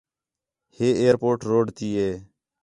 ہے ائیر پورٹ روڈ تی ہے